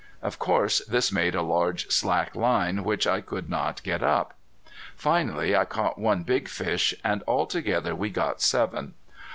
Of course this made a large slack line which I could not get up. Finally I caught one big fish, and altogether we got seven.